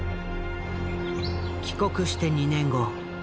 帰国して２年後。